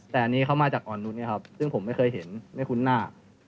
แต่อันนี้เขามาจากอ่อนนุษย์ซึ่งผมไม่เคยเห็นไม่คุ้นหน้า